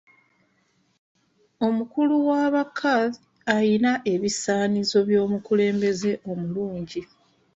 Omukulu wa ba kadhi ayina ebisaanizo by'omukulembeze omulungi.